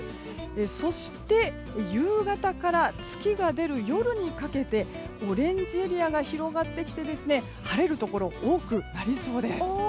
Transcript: そして、夕方から月が出る夜にかけてオレンジエリアが広がってきて晴れるところが多くなりそうです。